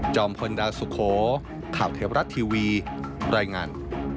พลดาวสุโขข่าวเทวรัฐทีวีรายงาน